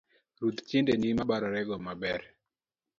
Rudhi tiendeni mobarore go maber.